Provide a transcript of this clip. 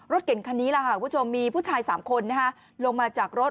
เก่งคันนี้คุณผู้ชมมีผู้ชาย๓คนลงมาจากรถ